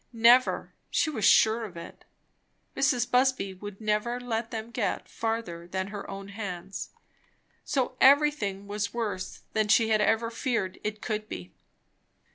Never; she was sure of it. Mrs. Busby would never let them get further than her own hands. So everything was worse than she had ever feared it could be.